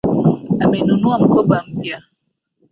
Amenunua mkoba mpya